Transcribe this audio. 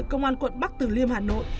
công an quận bắc từ liêm hà nội